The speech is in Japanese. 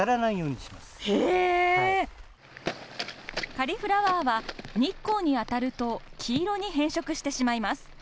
カリフラワーは日光に当たると黄色に変色してしまいます。